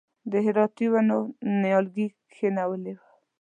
د هراتي ونو نیالګي یې کښېنولي و.